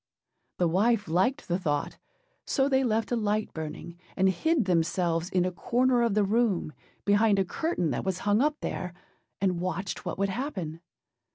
â The wife liked the thought; so they left a light burning, and hid themselves in a corner of the room, behind a curtain that was hung up there, and watched what would happen.